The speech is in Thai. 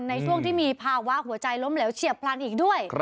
ในช่วงที่มีภาวะหัวใจล้มเหลวเฉียบพลันอีกด้วย